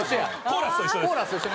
コーラスと一緒ね。